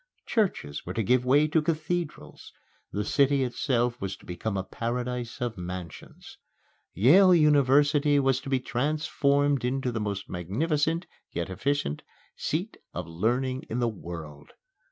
Churches were to give way to cathedrals; the city itself was to become a paradise of mansions. Yale University was to be transformed into the most magnificent yet efficient seat of learning in the world.